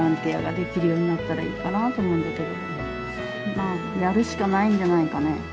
まあやるしかないんじゃないかね。